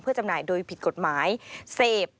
จำหน่ายโดยผิดกฎหมายเสพ